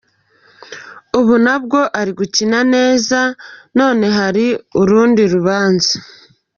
Ubu nabwo ari gukina neza none hari urundi rubanza”.